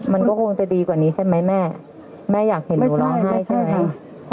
มันก็คงจะดีกว่านี้ใช่ไหมแม่แม่อยากเห็นหนูร้องไห้ใช่ไหม